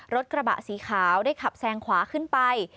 รถกระบะสีขาวได้ขับแซงขวาขึ้นไป